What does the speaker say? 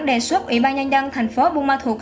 đề xuất ủy ban nhân dân tp bung ma thuộc